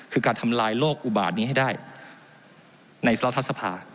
คือการทำลายโลกอุบาตนี้ให้ได้ในรัฐสภา